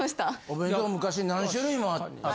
お弁当昔何種類もあった。